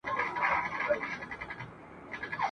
له نیکه مو اورېدلي څو کیسې د توتکیو ..